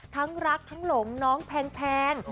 ทั้งรักทั้งหลงน้องแพง